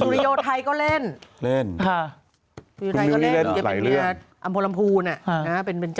สุทิโยไทก็เล่น